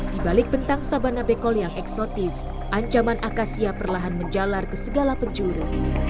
di balik bentang sabana bekol yang eksotis ancaman akasia perlahan menjalar ke segala penjuru